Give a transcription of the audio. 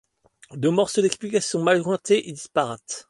de morceaux d'explications mal jointées et disparates.